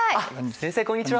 先生こんにちは。